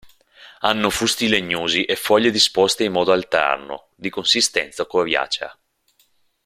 Hanno fusti legnosi e foglie disposte in modo alterno, di consistenza coriacea.